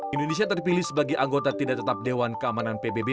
indonesia terpilih sebagai anggota tidak tetap dewan keamanan pbb